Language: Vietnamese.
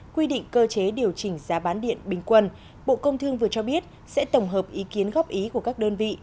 quy định cơ chế điều chỉnh giá bán điện bình quân bộ công thương vừa cho biết sẽ tổng hợp ý kiến góp ý của các đơn vị